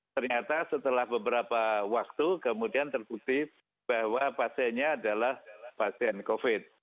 ternyata setelah beberapa waktu kemudian terbukti bahwa pasiennya adalah pasien covid